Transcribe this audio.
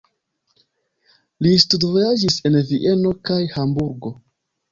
Li studvojaĝis en Vieno kaj Hamburgo.